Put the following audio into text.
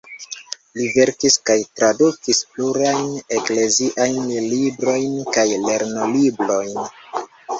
Li verkis kaj tradukis plurajn ekleziajn librojn kaj lernolibrojn.